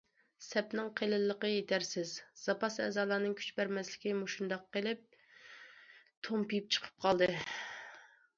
سەپنىڭ« قېلىنلىقى» يېتەرسىز، زاپاس ئەزالارنىڭ كۈچ بەرمەسلىكى مۇشۇنداق قىلىپ تومپىيىپ چىقىپ قالدى.